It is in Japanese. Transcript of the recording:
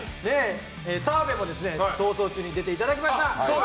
澤部も「逃走中」に出ていただきました。